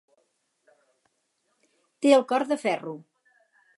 Té el cor de ferro.